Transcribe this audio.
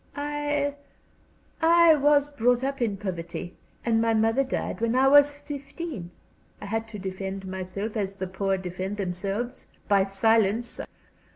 "I I was brought up in poverty, and my mother died when I was fifteen. I had to defend myself as the poor defend themselves by silence.